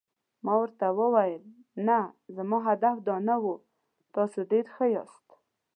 ما ورته وویل: نه، زما هدف دا نه و، تاسي ډېر ښه یاست.